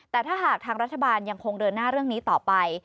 แต่ถ้าหากทางรัฐบาลยังคงเดินหน้าเรื่องนี้ต่อไป